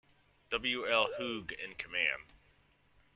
W. L. Hough in command.